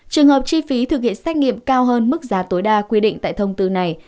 trường hợp chi phí thực hiện xét nghiệm cao hơn mức giá tối đa quy định tại thông tư này